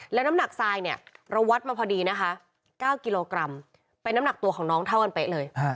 แล้วน้ำหนักทรายเนี่ยระวัดมาพอดีนะคะ๙กิโลกรัมเป็นน้ำหนักตัวของน้องเท่ากันเป๊ะเลย